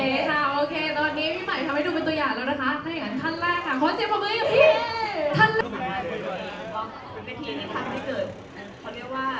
เป็นตอนนี้พี่ใหม่ทำให้ดูเป็นตัวอย่างแล้วนะคะ